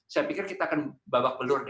saya pikir kita akan babak pelur